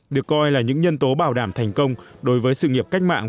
được coi là những nhân tố bảo đảm thành công đối với sự nghiệp cách mạng